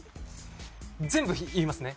全部言いますね。